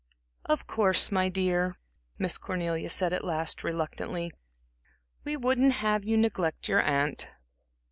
"Of course, my dear," Miss Cornelia said at last, reluctantly, "we wouldn't have you neglect your aunt."